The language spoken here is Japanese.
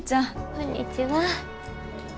こんにちは。